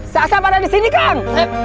si aset ada disini kang